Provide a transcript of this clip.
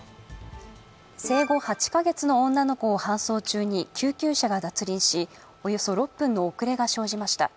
生後８か月の女の子を搬送中に救急車が脱輪し、およそ６分の遅れが生じました。